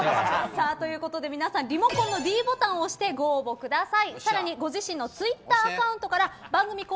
皆さんリモコンのｄボタンを押してご応募ください。